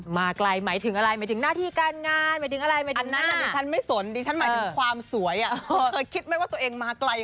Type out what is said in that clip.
มาไกลแล้วหรือยัง